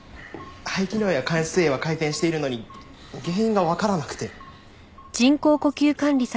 肺機能や間質影は改善しているのに原因がわからなくて。